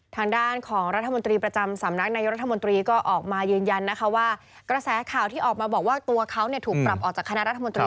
ทางด้านของรัฐมนตรีประจำสำนักนายรัฐมนตรีก็ออกมายืนยันนะคะว่ากระแสข่าวที่ออกมาบอกว่าตัวเขาถูกปรับออกจากคณะรัฐมนตรี